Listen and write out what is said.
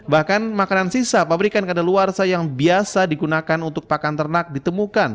bahkan makanan sisa pabrikan kadaluarsa yang biasa digunakan untuk pakan ternak ditemukan